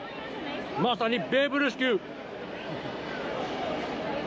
まさにベーブ・ルース級。